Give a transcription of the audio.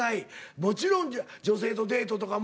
もちろん女性とデートとかも。